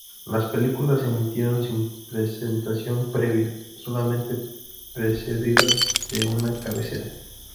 Las películas se emitieron sin presentación previa, solamente precedidas de una cabecera.